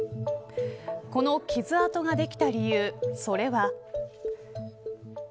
この傷痕ができた理由それは。